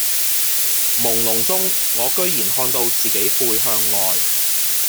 朦朧中我居然看到自己背向外